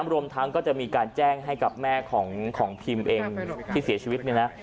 รวมทั้งก็จะมีการแจ้งให้กับแม่ของพิมเองที่เสียชีวิตเนี่ยนะ